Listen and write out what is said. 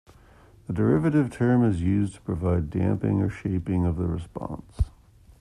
The derivative term is used to provide damping or shaping of the response.